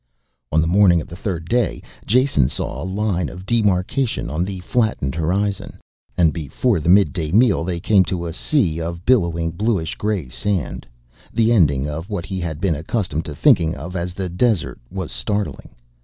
On the morning of the third day Jason saw a line of demarcation on the flattened horizon and before the midday meal they came to a sea of billowing, bluish gray sand. The ending of what he had been accustomed to thinking of as the desert was startling.